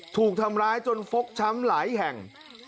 ถูกทำร้ายจนฟกช้ำหลายแห่ง